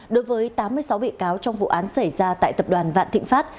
đối với tám mươi sáu bị cáo trong vụ án xảy ra tại tập đoàn vạn thịnh pháp